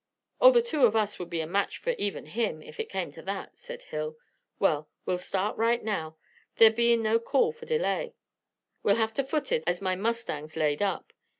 "Oh, the two of us would be a match for even him, if it came to that," said Hill. "Well, we'll start right now, there bein' no call for delay. We'll have to foot it, as my mustang's laid up.